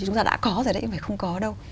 chúng ta đã có rồi đấy cũng phải không có đâu